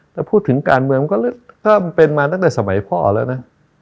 ถ้าพูดถึงการเมืองมันก็ถ้าเป็นมาตั้งแต่สมัยพ่อแล้วนะ